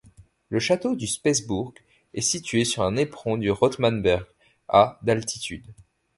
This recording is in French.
Le château du Spesbourg est situé sur un éperon du Rotmannberg, à d'altitude.